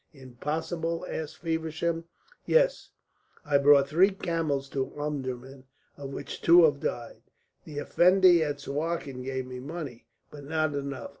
"Impossible?" asked Feversham. "Yes. I brought three camels to Omdurman, of which two have died. The Effendi at Suakin gave me money, but not enough.